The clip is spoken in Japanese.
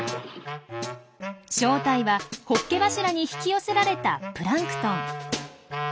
正体はホッケ柱に引き寄せられたプランクトン。